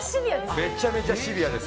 めちゃめちゃシビアです。